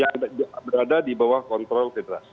yang berada di bawah kontrol federasi